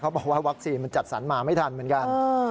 บอกว่าวัคซีนมันจัดสรรมาไม่ทันเหมือนกัน